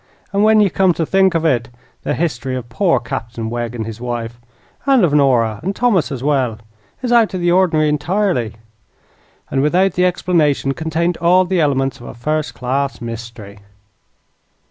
And when ye come to think of it, the history of poor Captain Wegg and his wife, and of Nora and Thomas as well, is out of the ordinary entirely, and, without the explanation, contained all the elements of a first class mystery."